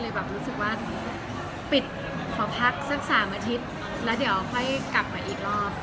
แบบรู้สึกว่าปิดขอพักสักสามอาทิตย์แล้วเดี๋ยวค่อยกลับมาอีกรอบ